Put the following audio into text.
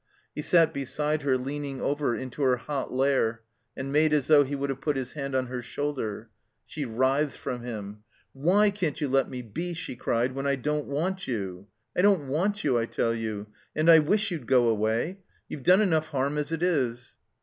He sat beside her, leaning over into her hot lair, and made as though he would have put his hand on her shoulder. She writhed from him. Why can't you let me be," she cried, "when I don't want you? I don't want you, I tell you, and I wish you'd go away. You've done enough harm as it IS.